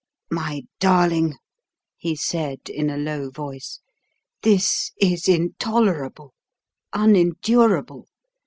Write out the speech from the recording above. "My darling," he said in a low voice, "this is intolerable, unendurable.